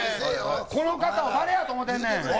この方を誰やと思ってんねん！